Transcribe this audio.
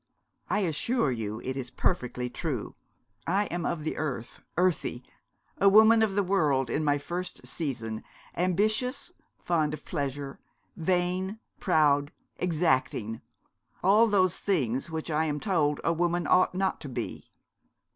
'I assure you it is perfectly true. I am of the earth, earthy; a woman of the world, in my first season, ambitious, fond of pleasure, vain, proud, exacting, all those things which I am told a woman ought not to be.'